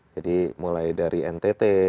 jadi mulai dari ntt